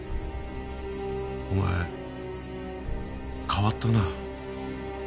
お前変わったな。